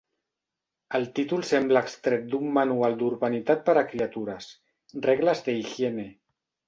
El títol sembla extret d'un manual d'urbanitat per a criatures: «Reglas de higiene».